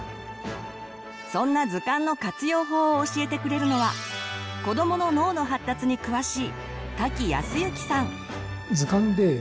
そんな図鑑の活用法を教えてくれるのは子どもの脳の発達に詳しい瀧靖之さん。